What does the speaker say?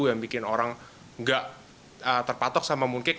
yang bikin orang nggak terpatok sama mooncake